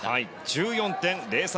１４．０３３